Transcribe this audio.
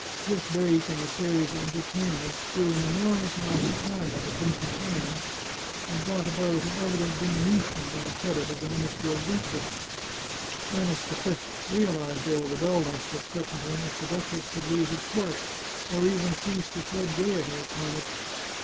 This break in the series of entertainments threw an enor mous ainount of time on the prince's hands, and brought about an evident diminution in the credit of the Minister of Justice. Ernest V realized all the dulness that threatened him if the duchess should leave his court, or even cease to shed gaiety upon it.